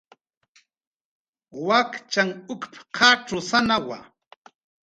"Wakchanh ukp"" qatzusanawa"